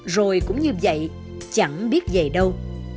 rồi cũng như vậy chẳng biết vậy đâu